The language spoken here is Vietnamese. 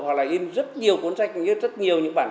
hoặc là in rất nhiều cuốn sách rất nhiều những bản thân